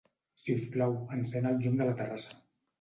Si us plau, engega el llum de la terrassa.